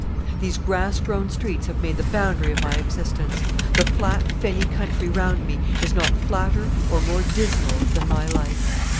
These grass grown streets have made the boundary of my existence. The flat fenny country round me is not flatter or more dismal than my life.